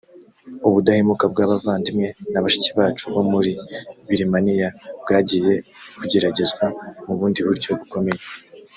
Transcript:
ubudahemuka bw abavandimwe na bashiki bacu bo muri birimaniya bwagiye bugeragezwa mu bundi buryo bukomeye